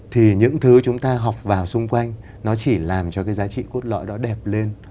thì những thứ chúng ta học vào xung quanh nó chỉ làm cho cái giá trị cốt lõi đó đẹp lên